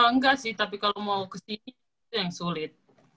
enggak sih tapi kalau mau kesini itu yang sulit